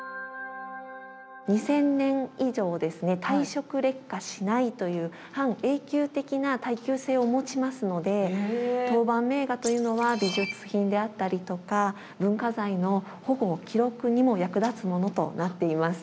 これにでもという半永久的な耐久性を持ちますので陶板名画というのは美術品であったりとか文化財の保護・記録にも役立つものとなっています。